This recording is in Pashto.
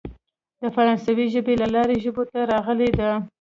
د فرانسوۍ ژبې له لارې ژبو ته راغلې ده.